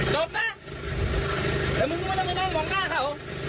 จบนะแต่มึงไม่น่ามานั่งมองหน้าเขา